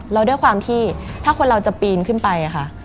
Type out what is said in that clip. แล้วด้วยความที่ถ้าคนเราจะปีนขึ้นไปค่ะ